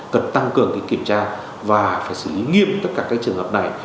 cần tăng cường cái kiểm tra và phải xử lý nghiêm tất cả cái trường hợp này